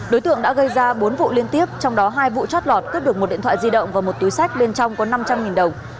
đối tượng đã gây ra bốn vụ liên tiếp trong đó hai vụ chót lọt cướp được một điện thoại di động và một túi sách bên trong có năm trăm linh đồng